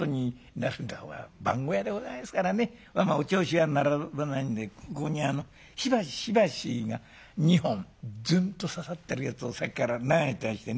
番小屋でございますからねまあまあおちょうしは並ばないんでここに火箸が２本ズンと刺さってるやつをさっきから眺めてましてね